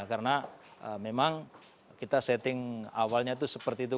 karena memang kita setting awalnya itu seperti itu